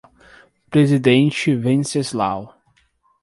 Presidente Venceslau